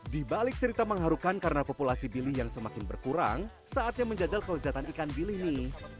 dibalik cerita mengharukan karena populasi bilik yang semakin berkurang saatnya menjajal kelezatan ikan bilik ini